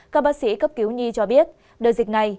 các bác sĩ cấp cứu nhi cho biết đợt dịch này